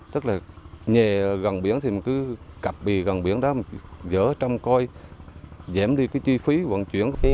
tức là nghề gần biển thì mình cứ cặp bì gần biển đó dỡ trong coi giảm đi cái chi phí vận chuyển